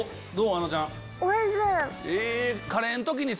あのちゃん。